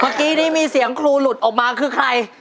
เมื่อกี้นี้มีเสียงครูหลุดออกมาคือใคร